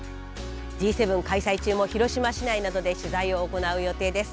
Ｇ７開催中も広島市内などで取材を行う予定です。